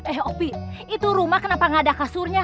eh opi itu rumah kenapa gak ada kasurnya